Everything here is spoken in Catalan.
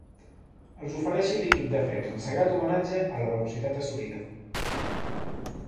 Els ofereixi líquid de frens en sagrat homenatge a la velocitat assolida.